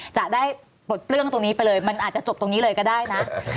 จะได้ปลดเปลื้องตรงนี้ไปเลยมันอาจจะจบตรงนี้เลยก็ได้นะ